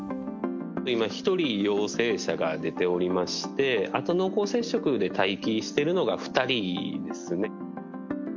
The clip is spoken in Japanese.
今、１人陽性者が出ておりまして、あと濃厚接触で待機しているのが２人ですね。